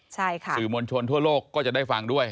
ใช่ค่ะสื่อมวลชนทั่วโลกก็จะได้ฟังด้วย